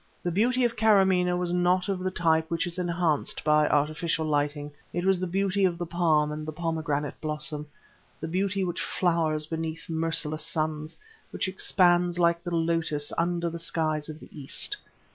The beauty of Kâramaneh was not of the typed which is enhanced by artificial lighting; it was the beauty of the palm and the pomegranate blossom, the beauty which flowers beneath merciless suns, which expands, like the lotus, under the skies of the East.